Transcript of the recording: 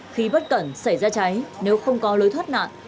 khi bất cẩn xảy ra cháy nếu không có lối thoát nạn